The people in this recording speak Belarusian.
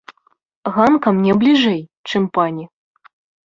Ганка мне бліжэй, чым пані.